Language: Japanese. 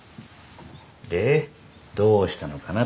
でどうしたのかな？